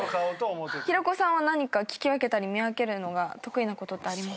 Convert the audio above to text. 平子さんは何か聞き分けたり見分けるのが得意なことってあります？